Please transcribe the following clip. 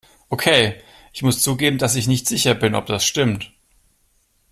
Okay, ich muss zugeben, dass ich nicht sicher bin, ob das stimmt.